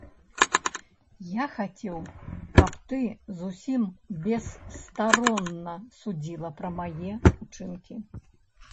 Я хацеў, каб ты зусім бесстаронна судзіла пра мае ўчынкі.